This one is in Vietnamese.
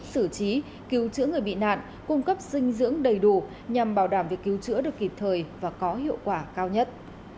sử trí cứu chữa người bị nạn cung cấp dinh dưỡng đầy đủ nhằm bảo đảm việc cứu chữa được kịp thời và có hiệu quả cao nhất